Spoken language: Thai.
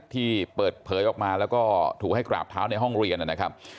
ที่เปิดเผยออกมาแล้วก็ถูกให้กราบเท้าในห้องเรียนนะครับ